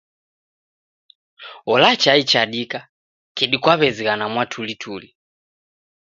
Ola chai chadika kedi kwaw'ezighana mwatulituli.